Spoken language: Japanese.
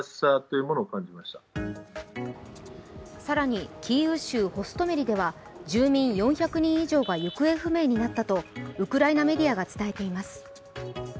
更にキーウ州ホストメリでは住民４００人以上が行方不明になったとウクライナメディアが伝えています。